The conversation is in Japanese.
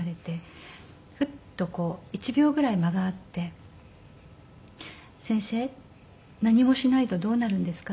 ふっとこう１秒ぐらい間があって「先生何もしないとどうなるんですか？」